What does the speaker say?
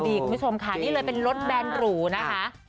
คุณผู้ชมค่ะนี่เลยเป็นรถแบนหรูนะคะ